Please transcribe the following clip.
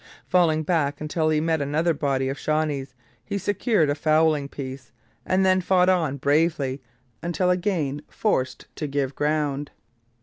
Falling back until he met another body of Shawnees, he secured a fowling piece, and then fought on bravely until again forced to give ground.